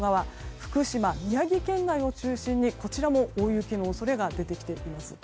福島、宮城県内を中心にこちらも大雪の恐れが出てきています。